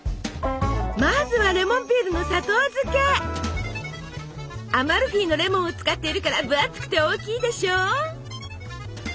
まずはアマルフィのレモンを使っているから分厚くて大きいでしょ？